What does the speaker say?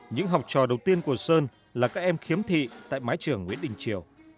những học trò đầu tiên của sơn là các em khiếm thị tại mái trường nguyễn đình triều